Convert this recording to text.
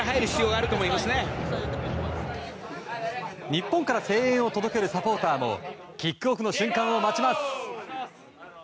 日本から声援を届けるサポーターもキックオフの瞬間を待ちます。